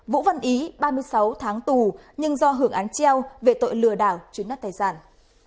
vũ văn ý ba mươi sáu tháng tù nhưng do hưởng án treo về tội lừa đảo chuyến đất tài sản